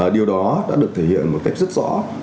điều đó đã được thể hiện một cách rất rõ